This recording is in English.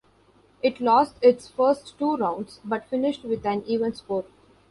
It lost its first two rounds, but finished with an even score.